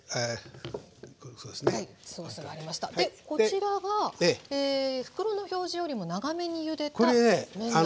でこちらが袋の表示よりも長めにゆでた麺なんです。